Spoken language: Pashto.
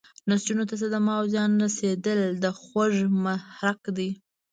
نسجونو ته صدمه او زیان رسیدل د خوږ محرک دی.